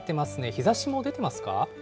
日ざしも出てますか？